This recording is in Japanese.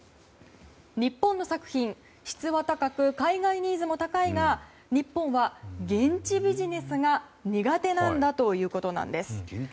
日本の作品、質は高く海外ニーズも高いが日本は、現地ビジネスが苦手なんだということなんです。